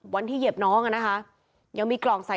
ขอบคุณครับ